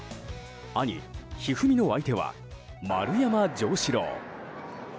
兄・一二三の相手は丸山城志郎。